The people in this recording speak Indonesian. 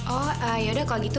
oh ya udah kalau gitu